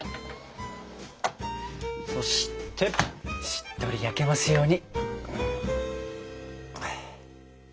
そしてしっとり焼けますように。